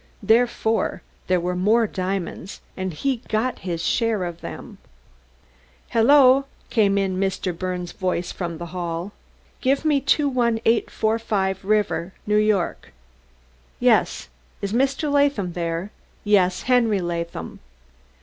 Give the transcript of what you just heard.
Therefore, there were more diamonds, and he got his share of them." "Hello!" came in Mr. Birnes' voice from the hall. "Give me 21845 River, New York. ... Yes. ... Is Mr. Latham there? ... Yes, Henry Latham